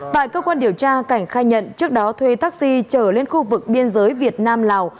tại cơ quan điều tra cảnh khai nhận trước đó thuê taxi trở lên khu vực biên giới việt nam lào